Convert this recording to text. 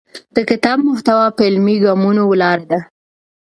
د کتاب محتوا په عملي ګامونو ولاړه ده.